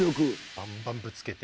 バンバンぶつけて。